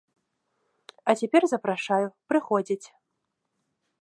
А цяпер запрашаю, прыходзяць.